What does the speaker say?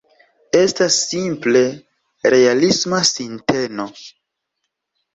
Estas simple realisma sinteno.